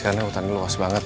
karena hutan luas banget